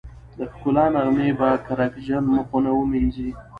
د ښکلا نغمې به کرکجن مخونه ومينځي